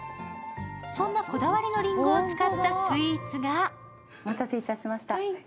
そんなこだわりのりんごを使ったスイーツがお待たせいたしました